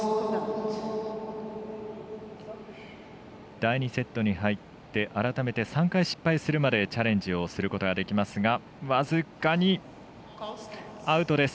第２セットに入って改めて３回失敗するまでチャレンジをすることができますが僅かにアウトです。